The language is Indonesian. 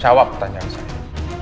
sawap pertanyaan saya